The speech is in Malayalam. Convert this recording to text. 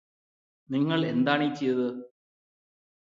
നിങ്ങളെന്താണീ ചെയ്തത്